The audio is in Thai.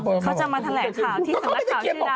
เขาจะมาแถลงข่าวที่สำนักข่าวที่แล้ว